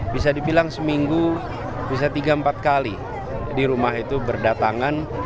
bisa dibilang seminggu bisa tiga empat kali di rumah itu berdatangan